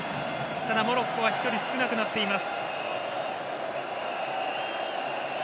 ただ、モロッコは１人少なくなっています。